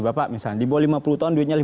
bapak misalnya di bawah lima puluh tahun duitnya